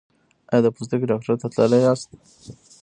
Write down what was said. ایا د پوستکي ډاکټر ته تللي یاست؟